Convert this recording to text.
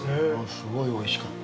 すごいおいしかった。